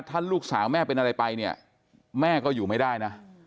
ถ้าลูกสาวแม่เป็นอะไรไปเนี่ยแม่ก็อยู่ไม่ได้นะ